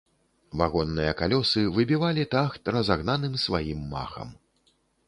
Вагонныя калёсы выбівалі тахт разагнаным сваім махам.